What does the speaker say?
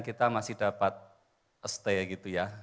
kita masih dapat stay gitu ya